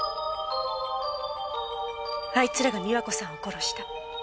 あいつらが美和子さんを殺した。